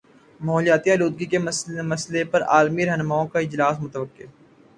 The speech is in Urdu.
ماحولیاتی آلودگی کے مسئلے پر عالمی رہنماؤں کا اجلاس متوقع ہے